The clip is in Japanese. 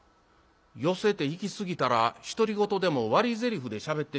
寄席て行きすぎたら独り言でも割りぜりふでしゃべってしまうな。